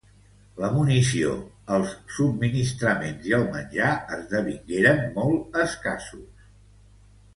La munició, els subministraments i el menjà esdevingueren molt escassos.